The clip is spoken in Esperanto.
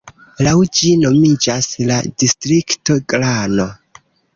Laŭ ĝi nomiĝas la distrikto Glano.